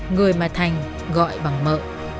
người mà thành gọi bằng mợ